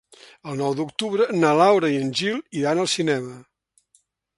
El nou d'octubre na Laura i en Gil iran al cinema.